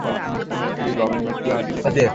বাড়ির খানিকটা অংশ ভাঙিয়া পড়িয়ছে।